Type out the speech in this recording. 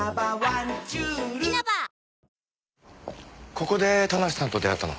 ここで田無さんと出会ったの？